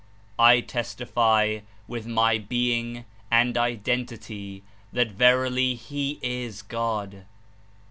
I testify with my being and Identity that verily He Is God.